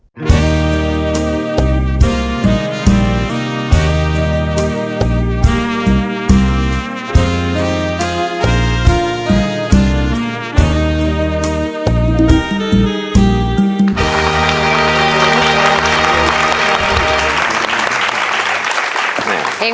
หนึ่งหนึ่งหนึ่ง